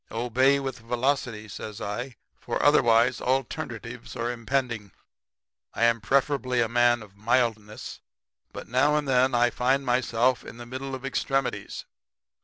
Obey with velocity,' says I, 'for otherwise alternatives are impending. I am preferably a man of mildness, but now and then I find myself in the middle of extremities.